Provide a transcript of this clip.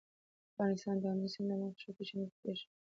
افغانستان د آمو سیند له مخې ښه پېژندل کېږي.